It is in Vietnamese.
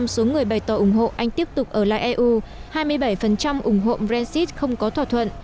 chín mươi số người bày tỏ ủng hộ anh tiếp tục ở lại eu hai mươi bảy ủng hộ brexit không có thỏa thuận